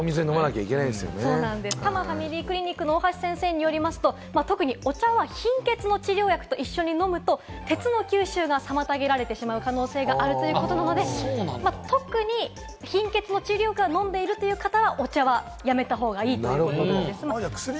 多摩ファミリークリニックの大橋先生によりますと、特にお茶は貧血の治療薬と一緒に服用しますと、鉄の吸収が妨げられてしまう可能性があるということですので、特に貧血の治療薬を飲んでいる方は、お茶はやめた方がいいということなんです。